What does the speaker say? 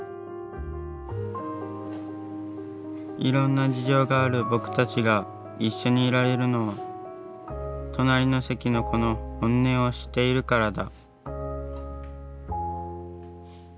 いろんな事情がある僕たちが一緒にいられるのは隣の席の子の本音を知っているからだ。